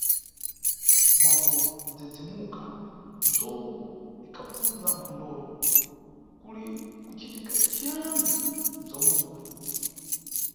Mwakudzedzemuka, ndzowu ikhabvundza mphondolo: Kuli kucitika ciyani kudzawuluku?